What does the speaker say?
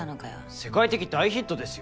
世界的大ヒットですよ。